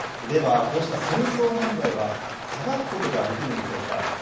では、こうした戦争犯罪は、裁くことができるんでしょうか。